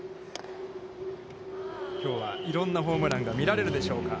きょうは、いろんなホームランが見られるでしょうか。